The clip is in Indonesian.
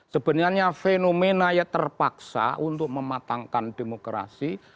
sebenarnya fenomena yang terpaksa untuk mematangkan demokrasi